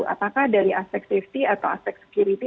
apakah dari aspek safety atau aspek security